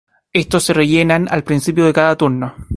Estos se rellenan al principio de cada turno.